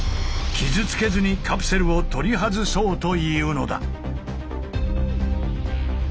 傷つけずにカプセルを取り外そうというのだ。